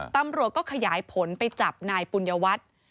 ตำรวจก็ขยายผลไปจับนายปุญญวัตร